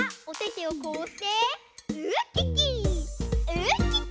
ウッキッキ！